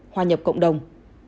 hòa nhập cộng đồng